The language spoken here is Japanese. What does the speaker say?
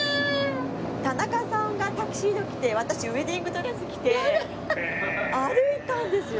田中さんがタキシード着て私ウェディングドレス着て歩いたんですよ。